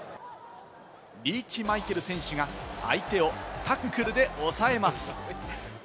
リーチ・マイケル選手が相手をタックルで押さえます。